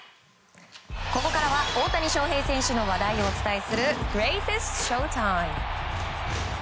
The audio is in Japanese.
ここからは大谷翔平選手の話題をお伝えするグレイテストＳＨＯ‐ＴＩＭＥ。